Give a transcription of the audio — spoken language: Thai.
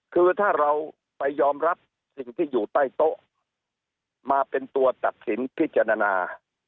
คือถ้าเราไปยอมรับสิ่งที่อยู่ใต้โต๊ะมาเป็นตัวตัดสินพิจารณา